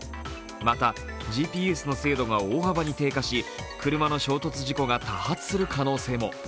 またＧＰＳの精度が大幅に低下し車の衝突事故が多発する可能性も。